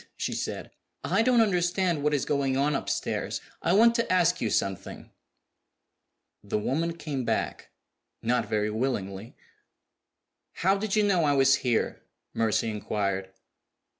she said. "I don't understand what is going on upstairs; I want to ask you something." The woman came back not very willingly. "How did you know I was here?" Mercy inquired.